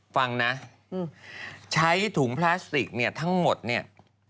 ฟังนะใช้ถุงพลาสติกเนี่ยทั้งหมดเนี่ย